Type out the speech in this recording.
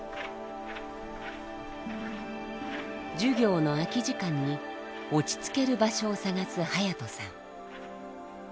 授業の空き時間に落ち着ける場所を探す隼さん。